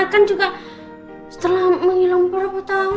kan juga setelah menghilang berapa tahun